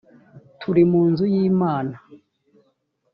turi mu nzu y imana